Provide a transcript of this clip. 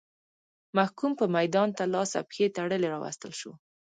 محکوم به میدان ته لاس او پښې تړلی راوستل شو.